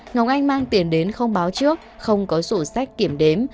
ngọc anh mang tiền đến không báo trước không có sổ sách kiểm đếm